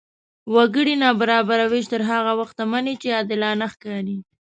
وګړي نابرابره وېش تر هغه وخته مني، چې عادلانه ښکاري.